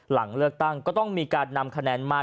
หลังเลือกตั้งก็ต้องมีการนำคะแนนมา